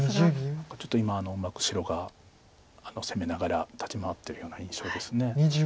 何かちょっと今うまく白が攻めながら立ち回ってるような印象です。